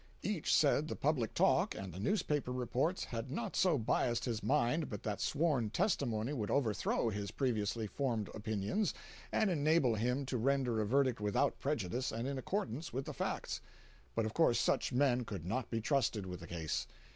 Each said the public talk and the newspaper reports had not so biased his mind but that sworn testimony would overthrow his previously formed opinions and enable him to render a verdict without prejudice and in accordance with the facts. But of course such men could not be trusted with the case.